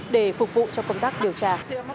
để phục vụ cho công tác điều tra